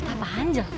katanya apaan aja